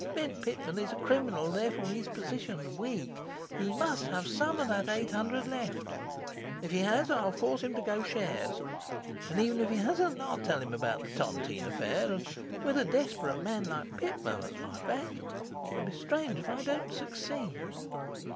Bent Pitman is a criminal, and therefore his position's weak. He must have some of that eight hundred left; if he has I'll force him to go shares; and even if he hasn't, I'll tell him the tontine affair, and with a desperate man like Pitman at my back, it'll be strange if I don't succeed.